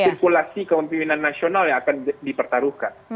stimulasi kemimpinan nasional yang akan dipertaruhkan